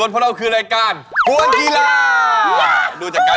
สามารถรับชมได้ทุกวัย